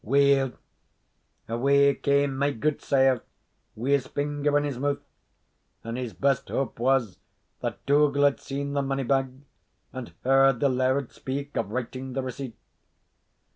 Weel, away came my gudesire wi' his finger in his mouth, and his best hope was that Dougal had seen the money bag and heard the laird speak of writing the receipt.